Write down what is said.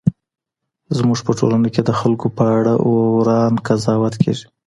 زموږ په ټولنه کي د خلګو په اړه وران قضاوت کېږي.